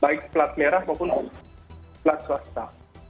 baik plat merah maupun plat swasta